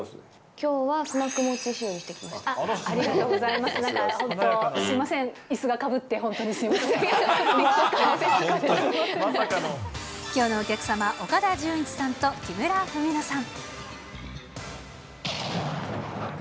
きょうのお客様、岡田准一さんと木村文乃さん。